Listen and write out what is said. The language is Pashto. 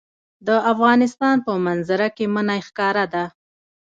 د افغانستان په منظره کې منی ښکاره ده.